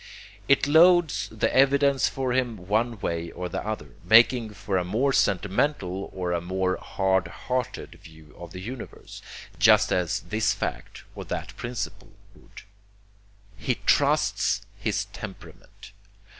It loads the evidence for him one way or the other, making for a more sentimental or a more hard hearted view of the universe, just as this fact or that principle would. He trusts his temperament.